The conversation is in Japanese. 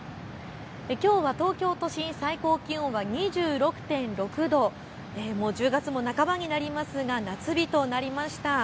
きょうは東京都心、最高気温は２６．６度、１０月も半ばになりましたが夏日となりました。